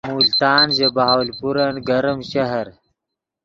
ملتان ژے بہاولپورن گرم شہر